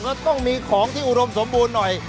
ก็ต้องมีของที่อุดมสมบูรณ์หน่อย